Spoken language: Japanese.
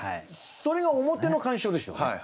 それは表の鑑賞でしょうね。